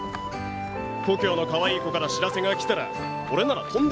故郷のかわいい子から知らせが来たら俺なら飛んで帰る。